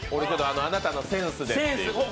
あなたのセンスでっていう。